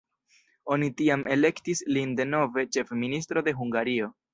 Oni tiam elektis lin denove ĉefministro de Hungario.